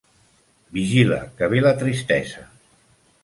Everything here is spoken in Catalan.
Vigila, que ve la tristesa!